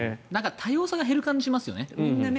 多様さが減る感じがしますよね。